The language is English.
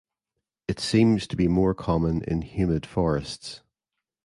It seems to be more common in humid forests.